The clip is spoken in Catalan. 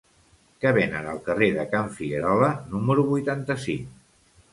Què venen al carrer de Can Figuerola número vuitanta-cinc?